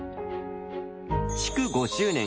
築５０年